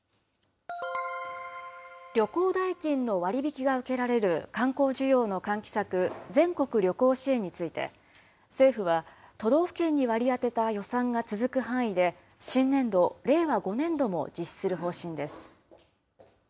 旅行代金の割引が受けられる観光需要の喚起策、全国旅行支援について、政府は、都道府県に割り当てた予算が続く範囲で新年度・令和５年度も実施する方針です。